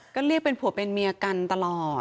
ก็เรียกเป็นผัวเป็นเมียกันตลอด